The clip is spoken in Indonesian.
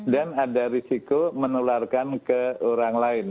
dan ada resiko menularkan ke orang lain